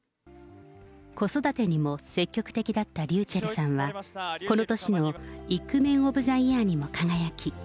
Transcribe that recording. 子育てにも積極的だったｒｙｕｃｈｅｌｌさんは、この年のイクメンオブザイヤーにも輝き。